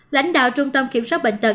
lãnh đạo trung tâm kiểm soát bệnh tật